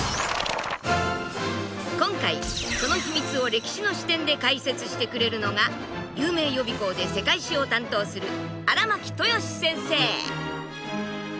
今回その秘密を歴史の視点で解説してくれるのが有名予備校で世界史を担当する荒巻豊志先生。